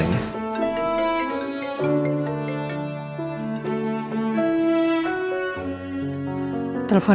nanti gua dateng